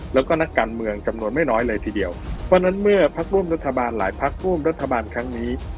แล้วก็นักการเมืองจำนวนไม่น้อยเลยทีเดียวเพราะฉะนั้นเมื่อพักร่วมรัฐบาลหลายพักร่วมรัฐบาลครั้งนี้